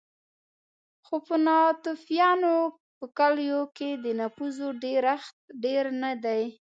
خو په ناتوفیانو په کلیو کې د نفوسو ډېرښت ډېر نه دی